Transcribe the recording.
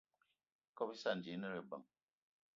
Ikob íssana ji íne lebeng.